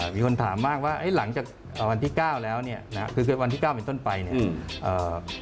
มีคนถามมากว่าหลังจากวันที่๙แล้วเนี่ยคือวันที่๙เป็นต้นไปเนี่ย